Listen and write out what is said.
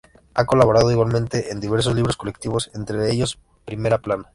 Ha colaborado igualmente en diversos libros colectivos, entre ellos “Primera plana.